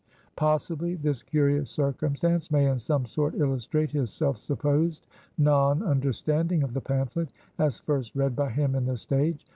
Possibly this curious circumstance may in some sort illustrate his self supposed non understanding of the pamphlet, as first read by him in the stage.